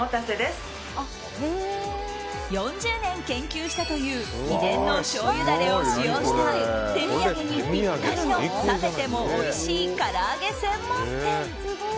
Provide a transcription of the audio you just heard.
４０年研究したという秘伝のしょうゆダレを使用した手土産にぴったりの冷めてもおいしい唐揚げ専門店。